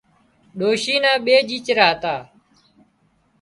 ڏوشي نا ٻي ڄيچرا هتا